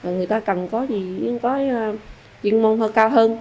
người ta cần có những cái chuyên môn hơn cao hơn